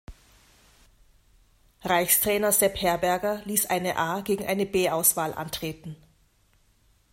Reichstrainer Sepp Herberger ließ eine A- gegen eine B-Auswahl antreten.